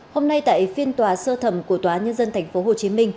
hôm nay tại phiên tòa sơ thẩm của tòa nhân dân tp hcm